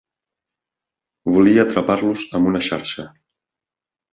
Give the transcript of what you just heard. Volia atrapar-los amb una xarxa.